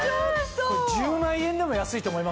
１０万円でも安いと思いますよ。